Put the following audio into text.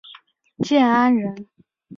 建安人。